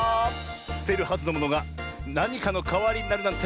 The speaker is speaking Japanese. すてるはずのものがなにかのかわりになるなんて